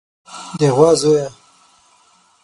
د غوا زويه.